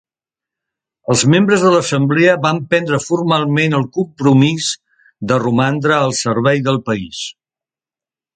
Els membres de l'Assemblea van prendre formalment el compromís de romandre al servei del país.